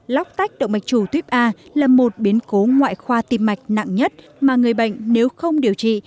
lóc tách động mạch chủ tuyếp a là một biến cố ngoại khoa tim mạch nặng nhất mà người bệnh nếu không điều trị